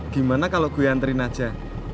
gimana kalau gue antriin aja